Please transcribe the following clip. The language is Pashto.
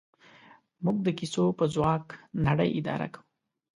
موږ د کیسو په ځواک نړۍ اداره کوو.